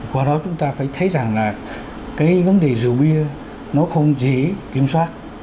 qua đó chúng ta phải thấy rằng là cái vấn đề rượu bia nó không dễ kiểm soát